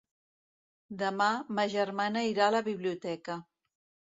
Demà ma germana irà a la biblioteca.